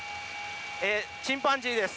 チンパンジーです。